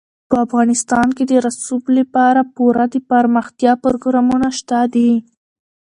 افغانستان کې د رسوب لپاره پوره دپرمختیا پروګرامونه شته دي.